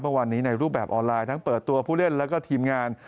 เมื่อวานนี้ในรูปแบบออนไลน์ทั้งเปิดตัวผู้เล่นแล้วก็ทีมงาน